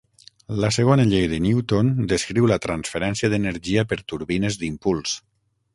La segona llei de Newton descriu la transferència d'energia per turbines d'impuls.